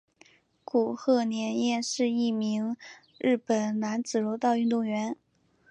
古贺稔彦是一名日本男子柔道运动员。